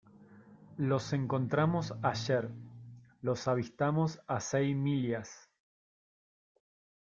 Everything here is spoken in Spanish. los encontramos ayer. los avistamos a seis millas .